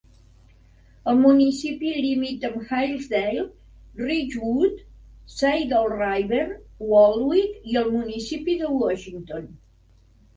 El municipi limita amb Hillsdale, Ridgewood, Saddle River, Waldwick i el municipi de Washington.